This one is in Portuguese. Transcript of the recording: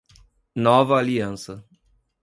Nova Aliança